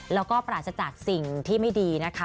แล้วก็ปราศจากสิ่งที่ไม่ดีนะคะ